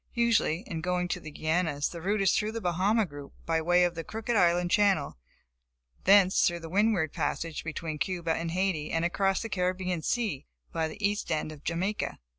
Usually, in going to the Guianas, the route is through the Bahama group, by way of the Crooked Island Channel, thence through the Windward Passage, between Cuba and Haiti and across the Caribbean sea by the east end of Jamaica.